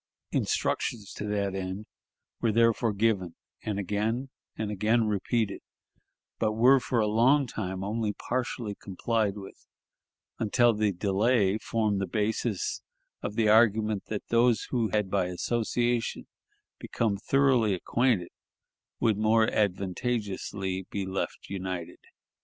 Instructions to that end were therefore given, and again and again repeated, but were for a long time only partially complied with, until the delay formed the basis of the argument that those who had by association become thoroughly acquainted would more advantageously be left united.